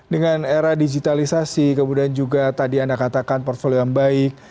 dengan era digitalisasi kemudian juga tadi anda katakan portfolio yang baik